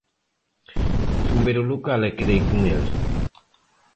Fun ver o local e quedei con el.